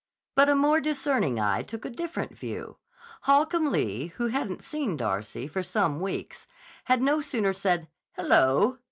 But a more discerning eye took a different view. Holcomb Lee, who hadn't seen Darcy for some weeks, had no sooner said, "Hello!"